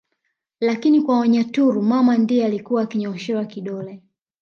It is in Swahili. Lakini kwa Wanyaturu mama ndiye alikuwa akinyooshewa kidole